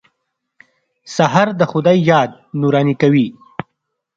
سهار د خدای یاد نوراني کوي.